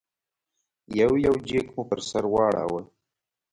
یو یو جېک مو پر سر واړاوه.